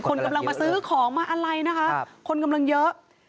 คนกำลังมาซื้อของมาอะไรนะคะคนกำลังเยอะ